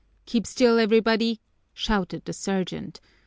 "Keep still, everybody!" shouted the sergeant.